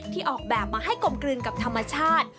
ออกแบบมาให้กลมกลืนกับธรรมชาติ